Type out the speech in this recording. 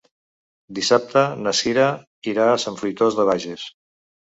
Dissabte na Cira irà a Sant Fruitós de Bages.